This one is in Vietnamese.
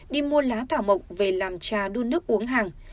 đi mua lá thảo mộc về làm trà đun nước uống hàng